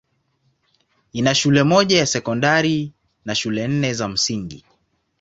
Ina shule moja ya sekondari na shule nne za msingi.